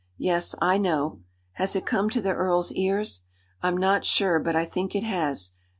"Yes. I know. Has it come to the earl's ears?" "I'm not sure; but I think it has.